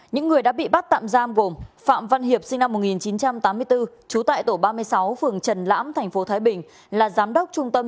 những người đã bị bắt tạm giam gồm